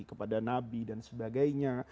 kepada nabi dan sebagainya